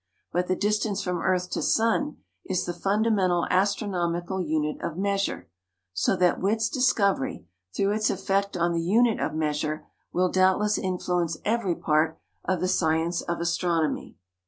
But the distance from earth to sun is the fundamental astronomical unit of measure; so that Witt's discovery, through its effect on the unit of measure, will doubtless influence every part of the science of astronomy.